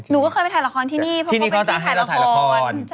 หนูก็เคยไปถ่ายละครที่นี่เพราะเขาเป็นที่ถ่ายละคร